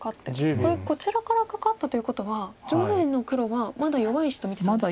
これこちらからカカったということは上辺の黒はまだ弱い石と見てたんですか。